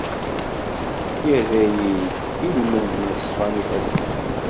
Irra-yi-d ilmend n ṣṣfa n yifassen-iw.